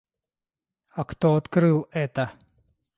А кто открыл это?